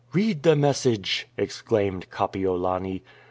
" Read the message !" ex claimed Kapiolani.